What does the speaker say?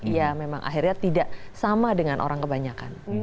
ya memang akhirnya tidak sama dengan orang kebanyakan